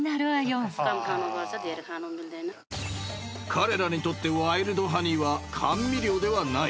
［彼らにとってワイルドハニーは甘味料ではない］